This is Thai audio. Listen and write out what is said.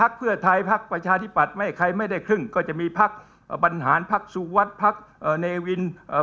คือจะพูดเบาะมันเยอะมากนะท่าน